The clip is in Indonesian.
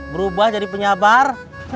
berubah jadi penyabar